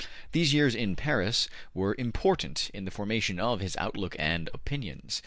These years in Paris were important in the formation of his outlook and opinions.